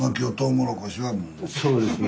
そうですね。